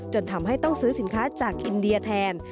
จนทำให้ต้องซื้อสินค้าจากอินเดียแทน